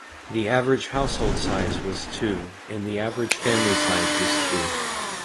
The average household size was two and the average family size was two.